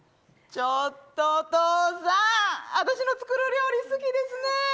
ちょっとお父さん、私の作る料理好きですね。